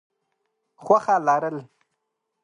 خوښه لرل: